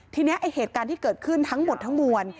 ทีนี้ไอ้เหตุการณ์ที่เกิดขึ้นทั้งหมดทั้งมวล